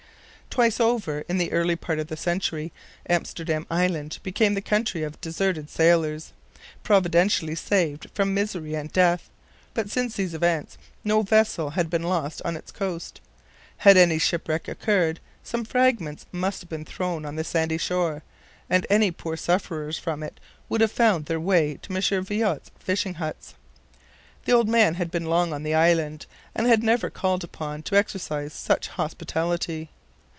Twice over in the early part of the century, Amsterdam Island became the country of deserted sailors, providentially saved from misery and death; but since these events no vessel had been lost on its coast. Had any shipwreck occurred, some fragments must have been thrown on the sandy shore, and any poor sufferers from it would have found their way to M. Viot's fishing huts. The old man had been long on the island, and had never been called upon to exercise such hospitality.